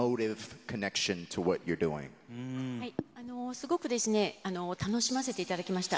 すごくですね、楽しませていただきました。